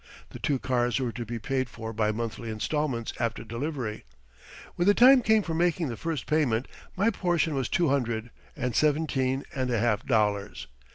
The two cars were to be paid for by monthly installments after delivery. When the time came for making the first payment, my portion was two hundred and seventeen and a half dollars.